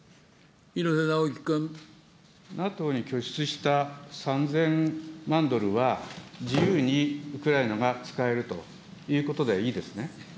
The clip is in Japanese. ＮＡＴＯに拠出した３０００万ドルは、自由にウクライナが使えるということでいいですね。